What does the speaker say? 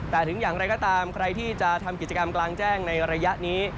แต่ถึงอย่างไรก็ตามใครที่จะทำกิจกรรมกลางแจ้งในระยะนี้